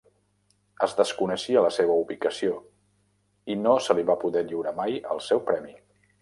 Es desconeixia la seva ubicació i no se li va poder lliurar mai el seu premi.